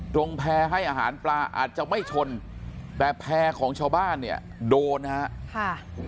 แพร่ให้อาหารปลาอาจจะไม่ชนแต่แพร่ของชาวบ้านเนี่ยโดนนะครับ